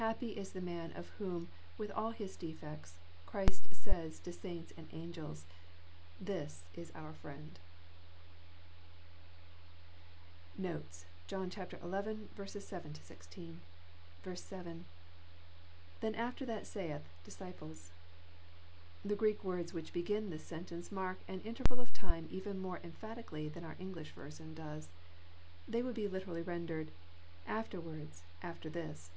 Happy is the man of whom, with all his defects, Christ says to saints and angels, " This is our friend." Notes. John XI. 7—16. 7. — ITJien after that 8aith,.,di8ciple8,'] The Greek words which be gin this sentence mark an interval of time even more emphati cally than oar English version does. They would be literally rendered, " Afterwards, after this.'